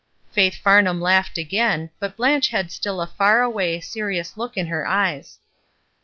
Faith Farnham laughed again, but Blanche had still a far away, serious look in her eyes.